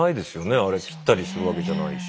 あれ切ったりするわけじゃないし。